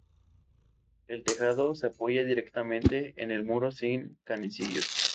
El tejado se apoya directamente en el muro, sin canecillos.